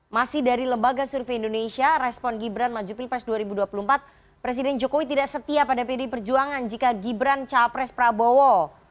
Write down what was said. masih dari lembaga survei indonesia respon gibran maju pilpres dua ribu dua puluh empat presiden jokowi tidak setia pada pdi perjuangan jika gibran cawapres prabowo